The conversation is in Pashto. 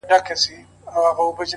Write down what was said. په مجلس نه مړېدل سره خواږه وه!!